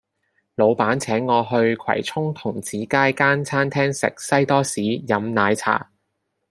老闆請我去葵涌童子街間餐廳食西多士飲奶茶